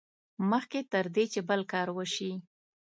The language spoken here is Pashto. مخکې تر دې چې بل کار وشي.